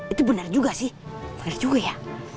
itu bener juga sih juga ya